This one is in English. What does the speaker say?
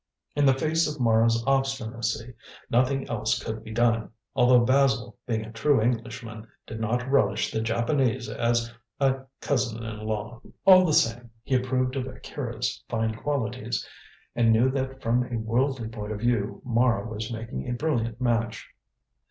In the face of Mara's obstinacy, nothing else could be done, although Basil, being a true Englishman, did not relish the Japanese as a cousin in law. All the same, he approved of Akira's fine qualities, and knew that from a worldly point of view Mara was making a brilliant match.